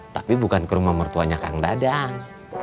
tapi bukan ke rumah mertuanya kang dadang